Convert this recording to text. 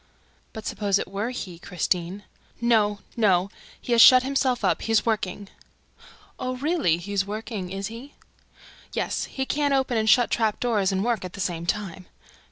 "But suppose it were HE, Christine?" "No, no! He has shut himself up, he is working." "Oh, really! He's working, is he?" "Yes, he can't open and shut the trap doors and work at the same time."